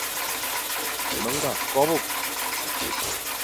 Me ñga kobe,